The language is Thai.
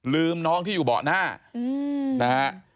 ลืมน้องที่อยู่เบาะหน้า